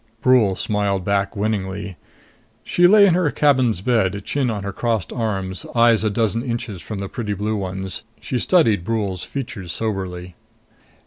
Brule smiled back winningly. She lay on her cabin's bed, chin on her crossed arms, eyes a dozen inches from the pretty blue ones. She studied Brule's features soberly.